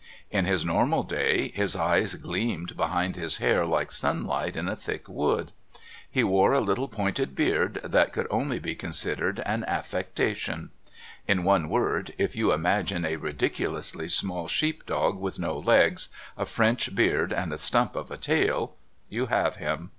In his normal day his eyes gleamed behind his hair like sunlight in a thick wood. He wore a little pointed beard that could only be considered an affectation; in one word, if you imagine a ridiculously small sheep dog with no legs, a French beard and a stump of a tail, you have him.